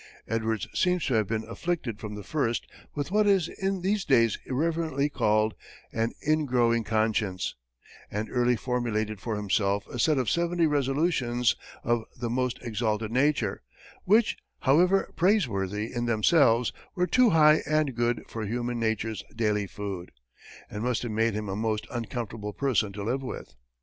Edwards seems to have been afflicted from the first with what is in these days irreverently called an in growing conscience, and early formulated for himself a set of seventy resolutions of the most exalted nature, which, however praiseworthy in themselves, were too high and good for human nature's daily food, and must have made him a most uncomfortable person to live with.